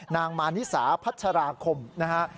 นางมานิสาพัชราคมนะฮะ